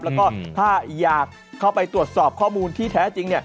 แล้วก็ถ้าอยากเข้าไปตรวจสอบข้อมูลที่แท้จริง